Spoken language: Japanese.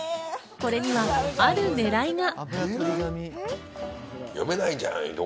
これには、あるねらいが。